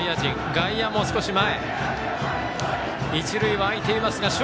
外野も少し前。